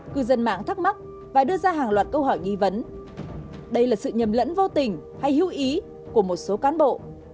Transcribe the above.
cư dân mạng thắc mắc và đưa ra hàng loạt câu hỏi nghi vấn đây là sự nhầm lẫn vô tình hay hữu ý của một số cán bộ